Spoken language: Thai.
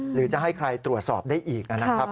หรือจะให้ใครตรวจสอบได้อีกนะครับ